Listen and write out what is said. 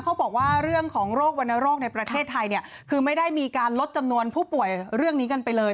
เขาบอกว่าเรื่องของโรควรรณโรคในประเทศไทยเนี่ยคือไม่ได้มีการลดจำนวนผู้ป่วยเรื่องนี้กันไปเลย